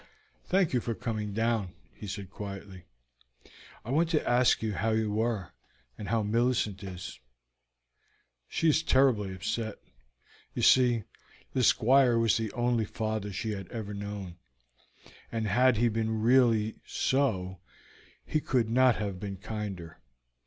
"Thank you for coming down," he said quietly. "I wanted to ask how you were, and how Millicent is." "She is terribly upset. You see, the Squire was the only father she had ever known; and had he been really so he could not have been kinder.